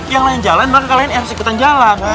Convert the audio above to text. yang lain jalan maka kalian harus ikutan jalan